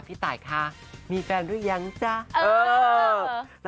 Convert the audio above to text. พี่ตายคะมีแฟนด้วยยังจ้า